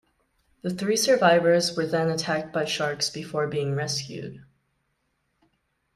The three survivors were then attacked by sharks before being rescued.